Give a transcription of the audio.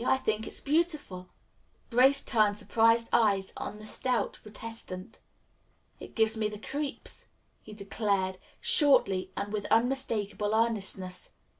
I think it is beautiful." Grace turned surprised eyes on the stout protestant. "It gives me the creeps," he declared shortly and with unmistakable earnestness.